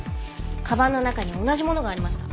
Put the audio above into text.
鞄の中に同じものがありました。